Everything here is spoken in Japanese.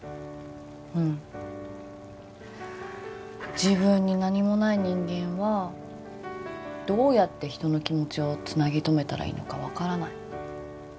うん自分に何もない人間はどうやって人の気持ちをつなぎとめたらいいのか分からない